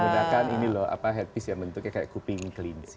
iya menggunakan ini loh headpiece yang bentuknya kayak kuping kelinci